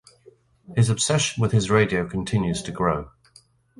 His obsession with his radio continues to grow.